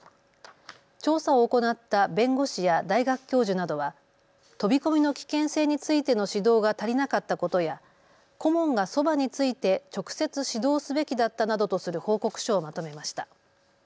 調査を行った弁護士や大学教授などは飛び込みの危険性についての指導が足りなかったことや顧問がそばについて直接指導すべきだったなどとする報告書をまとめました。